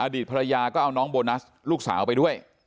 ดีตภรรยาก็เอาน้องโบนัสลูกสาวไปด้วย